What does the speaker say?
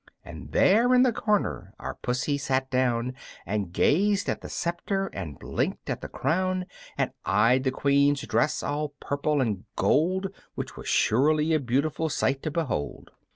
And there in the corner our Pussy sat down, And gazed at the scepter and blinked at the crown, And eyed the Queen's dress, all purple and gold; Which was surely a beautiful sight to behold.